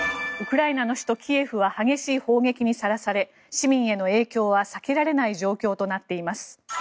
ウクライナの首都キエフは激しい砲撃にさらされ市民への影響は避けられない状況となっています。